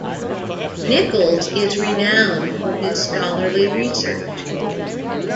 Nichols is renowned for his scholarly research.